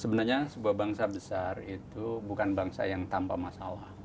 sebenarnya sebuah bangsa besar itu bukan bangsa yang tanpa masalah